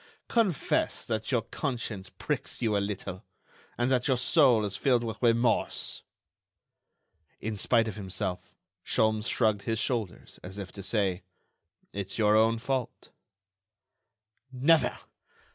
Confess that your conscience pricks you a little, and that your soul is filled with remorse." In spite of himself, Sholmes shrugged his shoulders, as if to say: "It's your own fault." "Never!